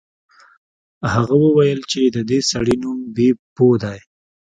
هغه وویل چې د دې سړي نوم بیپو دی.